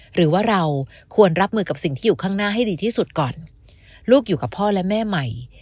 หรือว่าเราควรรับมือกับสิ่งที่อยู่ข้างหน้าให้ดีที่สุดก่อนลูกอยู่กับพ่อและแม่ใหม่